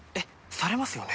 されますよね？